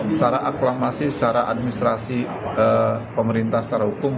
secara aklamasi secara administrasi pemerintah secara hukum